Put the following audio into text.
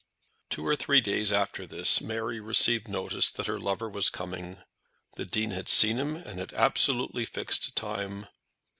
Two or three days after this Mary received notice that her lover was coming. The Dean had seen him and had absolutely fixed a time.